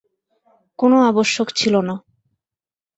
কোনো আবশ্যক ছিল না।